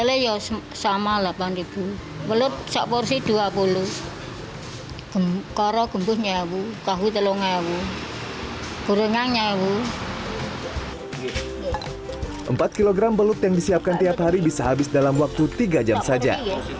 empat kg belut yang disiapkan tiap hari bisa habis dalam waktu tiga jam saja